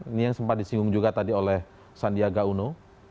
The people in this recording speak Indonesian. ini yang sempat disinggung juga tadi oleh sandiaga uno